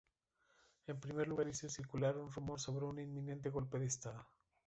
En primer lugar hizo circular un rumor sobre un inminente golpe de estado.